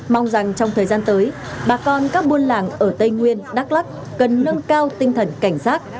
mong rằng trong thời gian tới bà con các buôn làng ở tây nguyên đắk lắc cần nâng cao tinh thần cảnh giác